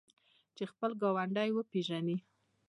چې خپل ګاونډی وپیژني.